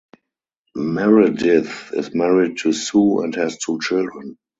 Meredith is married to Sue and has two children.